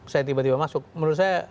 saya tiba tiba masuk menurut saya